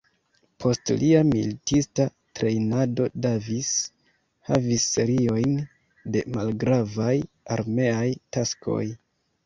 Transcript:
Post lia militista trejnado, Davis havis seriojn de malgravaj armeaj taskoj.